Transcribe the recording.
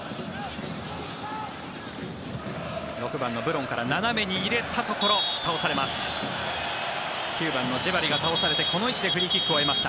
６番のブロンから斜めに入れたところ倒されます。